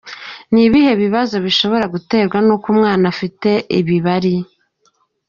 Ni ibihe bibazo bishobora guterwa n’uko umwana afite ibibari?.